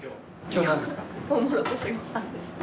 今日なんですか？